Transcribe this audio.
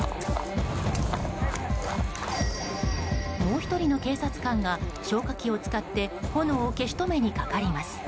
もう１人の警察官が消火器を使って炎を消し止めにかかります。